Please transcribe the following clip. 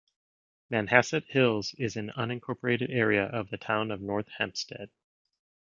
Manhasset Hills is an unincorporated area of the Town of North Hempstead.